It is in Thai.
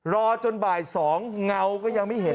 รอจนบ่าย๒เงาก็ยังไม่เห็น